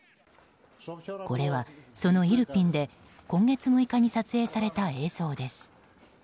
これは、そのイルピンで今月６日に撮影された映像です。